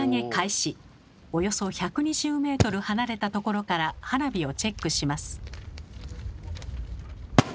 およそ１２０ｍ離れたところから花火をチェックします。